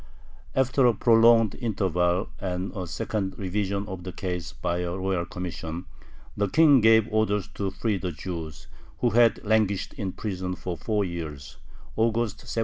After a prolonged interval and a second revision of the case by a royal commission, the King gave orders to free the Jews, who had languished in prison for four years (August, 1740).